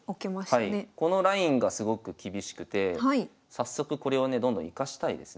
このラインがすごく厳しくて早速これをねどんどん生かしたいですね。